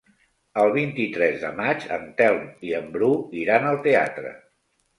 El vint-i-tres de maig en Telm i en Bru iran al teatre.